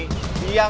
yang geroknya pak